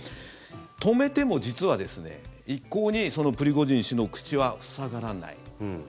止めても、実は一向にそのプリゴジン氏の口は塞がらない。